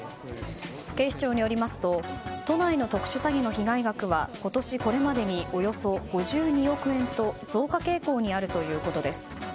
警視庁によりますと都内の特殊詐欺の被害額は今年これまでにおよそ５２億円と増加傾向にあるということです。